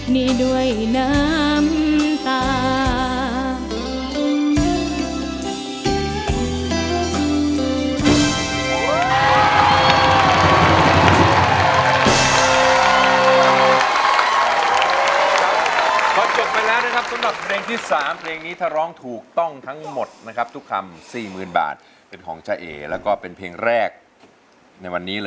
นี่ด้วยน้ำตา